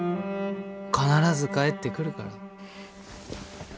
必ず帰ってくるから。